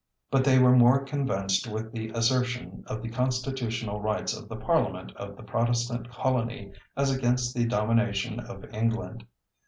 But they were more concerned with the assertion of the constitutional rights of the parliament of the Protestant colony as against the domination of England.